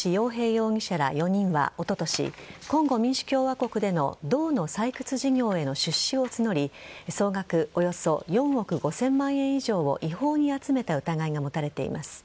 容疑者ら４人はおととし、コンゴ民主共和国での銅の採掘事業への出資を募り総額およそ４億５０００万円以上を違法に集めた疑いが持たれています。